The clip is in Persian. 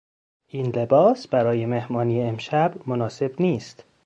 این لباس برای مهمانی امشب مناسب نیست.